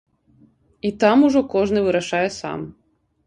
І там ужо кожны вырашае сам.